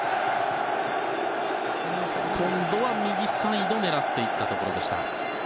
今度は右サイドを狙っていったところでした。